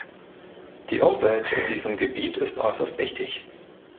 Die Umwelt in diesem Gebiet ist äußerst wichtig.